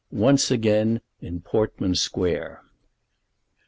ONCE AGAIN IN PORTMAN SQUARE.